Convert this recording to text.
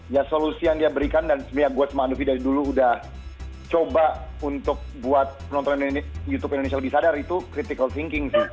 ya solusi yang dia berikan dan sebenarnya gue sama andovi dari dulu udah coba untuk buat penonton youtube indonesia lebih sadar itu critical thinking sih